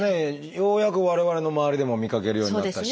ようやく我々の周りでも見かけるようになったし。